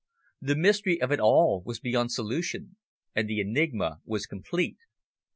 The mystery of it all was beyond solution; and the enigma was complete.